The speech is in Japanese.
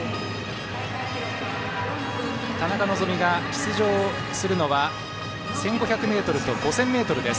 田中希実が出場するのは１５００ｍと５０００ｍです。